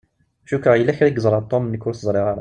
Cukkeɣ yella kra i yeẓṛa Tom nekk ur t-ẓṛiɣ ara.